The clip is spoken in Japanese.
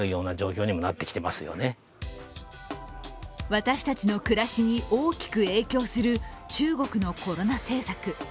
私たちの暮らしに大きく影響する中国のコロナ政策。